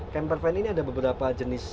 camper van ini ada beberapa jenis